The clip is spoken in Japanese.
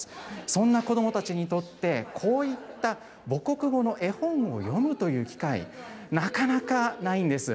そんな子どもたちにとって、こういった母国語の本を読むという機会、なかなかないんです。